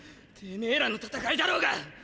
「てめぇら」の戦いだろうが！！